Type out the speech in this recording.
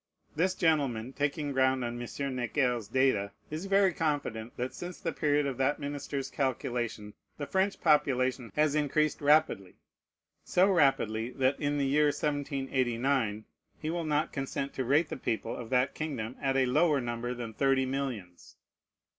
This gentleman, taking ground on M. Necker's data, is very confident that since the period of that minister's calculation the French population has increased rapidly, so rapidly, that in the year 1789 he will not consent to rate the people of that kingdom at a lower number than thirty millions.